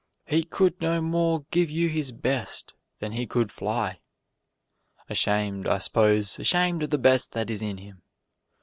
He could no more give you his best than he could fly. Ashamed, I s'pose, ashamed of the best that is in him.